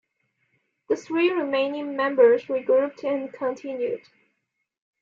The three remaining members regrouped and continued.